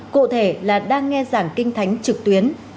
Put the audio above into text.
cụ thể là đang nghe giảng kinh thánh trực tuyến